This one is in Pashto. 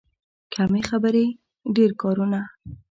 کم خبرې، ډېر کارونه.